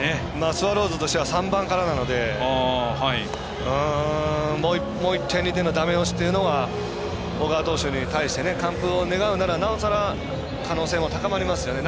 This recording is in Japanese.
スワローズとしては３番からなのでもう１点、２点のダメ押しというのが小川投手に対して完封を願うならなおさら可能性も高まりますよね。